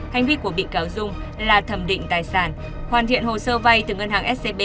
hành vi của bị cáo dung là thẩm định tài sản hoàn thiện hồ sơ vay từ ngân hàng scb